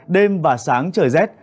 đêm và sáng trời rét